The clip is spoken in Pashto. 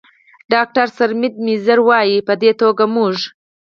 ډاکتر سرمید میزیر، وايي: "په دې توګه موږ